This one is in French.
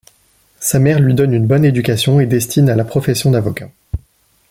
Sa mère lui donne une bonne éducation et destine à la profession d'avocat.